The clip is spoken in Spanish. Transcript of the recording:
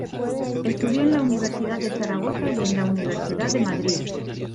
Estudió en la Universidad de Zaragoza y en la Universidad de Madrid.